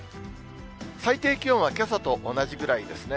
最低気温はけさと同じぐらいですね。